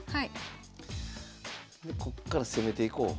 こっから攻めていこう。